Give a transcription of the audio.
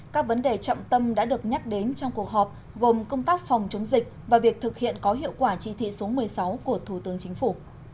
các vấn đề trọng tâm đã được nhắc đến trong cuộc họp gồm công tác phòng chống dịch và việc thực hiện có hiệu quả chỉ thị số một mươi sáu của thủ tướng chính phủ